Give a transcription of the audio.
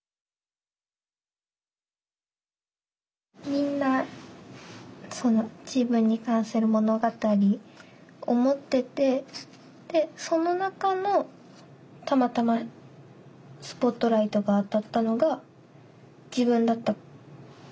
みんな自分に関する物語を持っててその中のたまたまスポットライトが当たったのが自分だった。